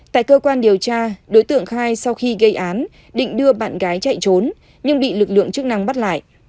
tại cơ quan điều tra đối tượng khai sau khi gây án định đưa bạn gái chạy trốn nhưng bị lực lượng chức năng bắt lại